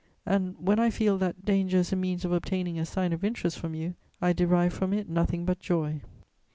And, when I feel that danger is a means of obtaining a sign of interest from you, I derive from it nothing but joy.